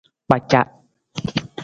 Kpaca.